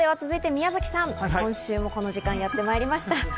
続いて宮崎さん、今週もこの時間がやってまいりました。